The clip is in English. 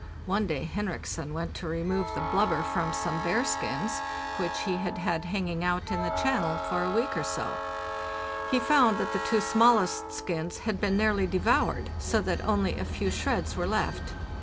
One day Henriksen went to remove the blubber from some _ bearskins, which he had had hanging out in the channel for a week or so; he found that the two smallest skins had been nearly devoured, so that only a few shreds were left.